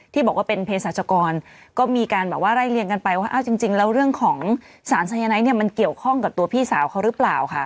ที่บอกว่าเป็นเพศรัชกรก็มีการแบบว่าไล่เลี่ยงกันไปว่าจริงแล้วเรื่องของสารสายไนท์เนี่ยมันเกี่ยวข้องกับตัวพี่สาวเขาหรือเปล่าค่ะ